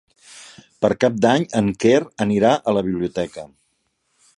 Per Cap d'Any en Quer anirà a la biblioteca.